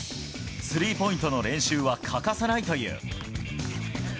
スリーポイントの練習は欠かさないという。